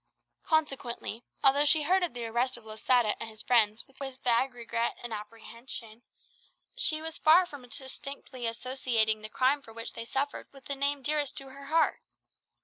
Consequently, although she heard of the arrest of Losada and his friends with vague regret and apprehension, she was far from distinctly associating the crime for which they suffered with the name dearest to her heart.